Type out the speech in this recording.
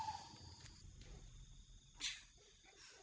mau jadi kayak gini sih salah buat apa